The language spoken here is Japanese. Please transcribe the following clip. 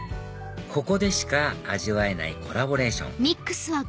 ここでしか味わえないコラボレーション